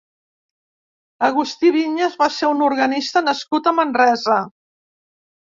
Agustí Vinyes va ser un organista nascut a Manresa.